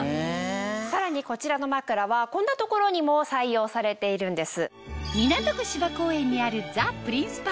さらにこちらの枕はこんな所にも採用されているんです。